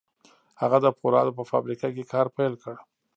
هغه د پولادو په فابريکه کې کار پيل کړ.